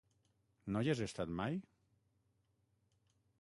No hi has estat mai?